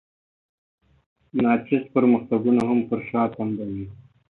ناچیز پرمختګونه هم پر شا تمبوي.